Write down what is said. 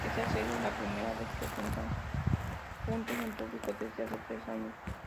Ésta sería la primera vez que están juntos en público desde hace trece años.